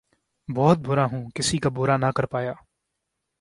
بہت بُرا ہُوں! کسی کا بُرا نہ کر پایا